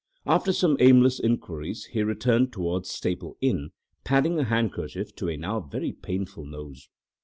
After some aimless inquiries he returned towards Staple Inn, padding a handkerchief to a now very painful nose.